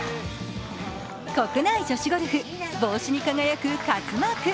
国内女子ゴルフ、帽子に輝く勝マーク。